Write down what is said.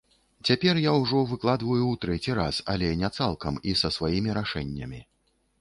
Цяпер я ўжо выкладваю ў трэці раз, але не цалкам і са сваімі рашэннямі.